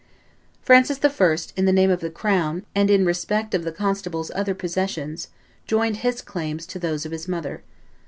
Francis I., in the name of the crown, and in respect of the constable's other possessions, joined his claims to those of his mother.